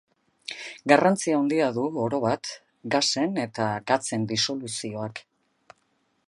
Garrantzi handia du, orobat, gasen eta gatzen disoluzioak.